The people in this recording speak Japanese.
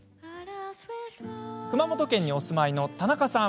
熊本県にお住まいの田中さん。